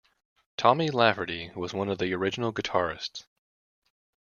Tommy Lafferty was one of the original guitarists.